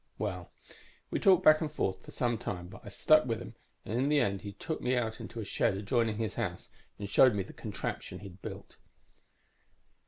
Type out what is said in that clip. Well, we talked back and forth for some time, but I stuck with him and in the end he took me out into a shed adjoining his house and showed me the contraption he'd built.